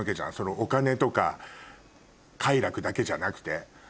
お金とか快楽だけじゃなくて。